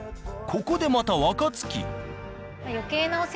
ここでまた若槻。